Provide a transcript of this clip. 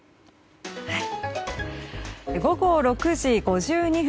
午後６時５２分